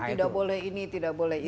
tidak boleh ini tidak boleh ini